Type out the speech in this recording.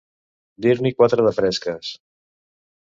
Dir-n'hi quatre de fresques.